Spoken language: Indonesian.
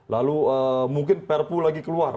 lalu mungkin perpu lagi keluar